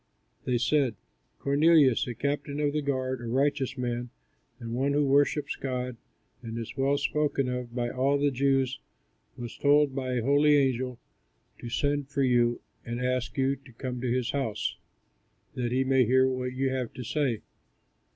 They said, "Cornelius, a captain of the guard, a righteous man and one who worships God and is well spoken of by all the Jews, was told by a holy angel to send for you and ask you to come to his house, that he may hear what you have to say."